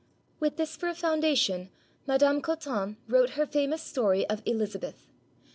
With this for a foun dation, Madame Cottin wrote her famous story of "Eliz abeth."